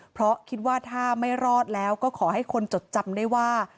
เพราะคิดว่าถ้าไม่รอดแล้วก็ขอให้คนจดจำได้ว่า